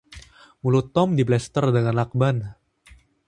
Mulut Tom diplester dengan lakban.